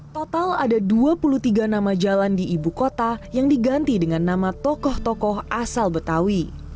total ada dua puluh tiga nama jalan di ibu kota yang diganti dengan nama tokoh tokoh asal betawi